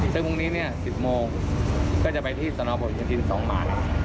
ซึ่งพรุ่งนี้๑๐โมงก็จะไปที่สนบทโยธิน๒หมาย